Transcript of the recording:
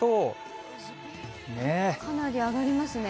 かなり上がりますね。